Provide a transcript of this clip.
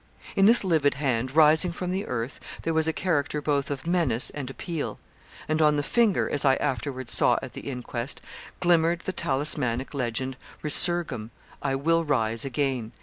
In this livid hand, rising from the earth, there was a character both of menace and appeal; and on the finger, as I afterwards saw at the inquest, glimmered the talismanic legend 'Resurgam I will rise again!'